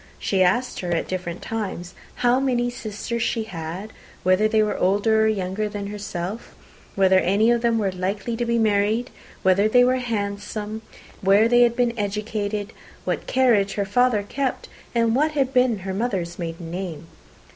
She asked her at different times how many sisters she had, whether they were older or younger than herself, whether any of them were likely to be married, whether they were handsome, where they had been educated, what carriage her father kept, and what had been her mother's maiden name?